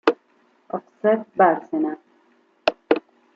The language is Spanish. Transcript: Offset Bárcena.